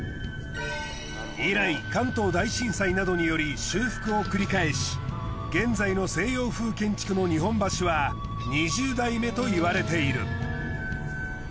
以来関東大震災などにより修復を繰り返し現在の西洋風建築の日本橋は２０代目といわれている。